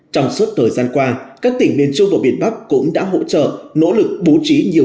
trong suốt thời gian qua các tỉnh miền trung và miền bắc cũng đã hỗ trợ nỗ lực bố trí nhiều